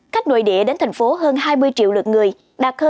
khách nội địa đến thành phố hơn hai mươi triệu lượt người đến thành phố